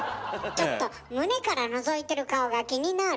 ちょっと胸からのぞいてる顔が気になる！